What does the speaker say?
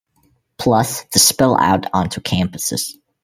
Plus, the spill out onto campuses.